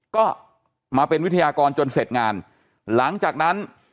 ก็มาเป็นวิทยากรจนเสร็จงานหลังจากนั้น